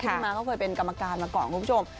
พี่ม้าก็เคยเป็นกรรมการมาก่อนคุณผู้ชม